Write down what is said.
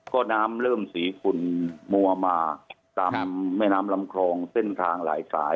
ก็น้ำเริ่มสีขุ่นมัวมาตามแม่น้ำลำคลองเส้นทางหลายสาย